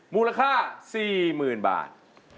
มูลค่า๔๐๐๐บาท